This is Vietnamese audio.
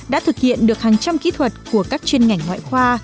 đã thực hiện được hàng trăm kỹ thuật của các chuyên ngành ngoại khoa